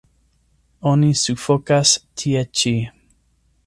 Oni sufokas tie ĉi.